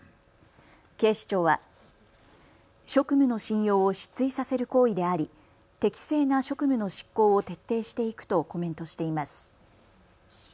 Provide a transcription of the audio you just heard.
警視庁は、職務の信用を失墜させる行為であり適正な職務の執行を徹底していくとコメントしています。